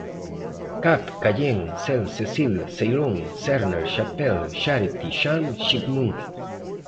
cat, cayenne, cel, cecil, ceylon, cerner, chapel, charity, charm, chipmunk